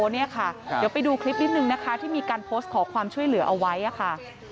เดี๋ยวไปดูคลิปนิดนึงนะคะที่มีการโพสต์ขอความช่วยเหลือเอาไว้ค่ะ